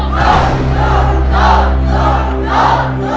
ขอบคุณครับ